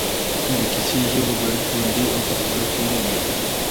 د کیسې ژبه باید ژوندۍ او پر زړه پورې وي